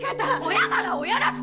親なら親らしくしろよ！